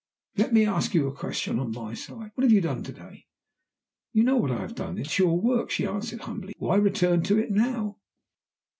"Let me ask you a question on my side. What have you done to day?" "You know what I have done: it is your work," she answered, humbly. "Why return to it now?"